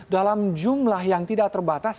dalam jumlah yang tidak terbatas